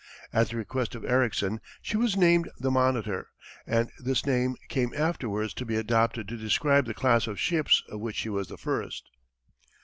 At the request of Ericsson, she was named the Monitor, and this name came afterwards to be adopted to describe the class of ships of which she was the first.